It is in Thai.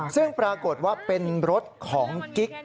ซึ่งปรากฏว่าเป็นรถของกิ๊ก